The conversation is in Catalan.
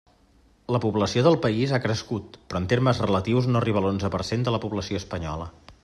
La població del País ha crescut però en termes relatius no arriba a l'onze per cent de la població espanyola.